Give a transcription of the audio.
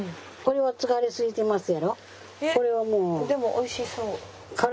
でもおいしそう。